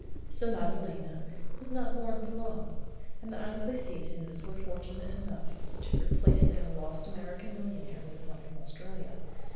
So Madalena was not mourned for long; and the Annesley Setons were fortunate enough to replace their lost American millionaire with one from Australia.